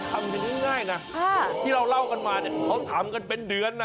ทำกันง่ายนะที่เราเล่ากันมาเนี่ยเขาทำกันเป็นเดือนนะ